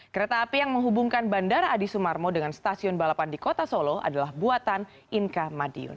kereta api yang menghubungkan bandara adi sumarmo dengan stasiun balapan di kota solo adalah buatan inka madiun